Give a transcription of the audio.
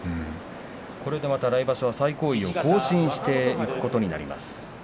これで、また来場所は最高位を更新することになります。